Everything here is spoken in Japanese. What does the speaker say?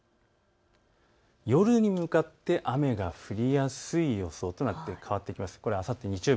夜に向かって雨が降りやすい予想となっています。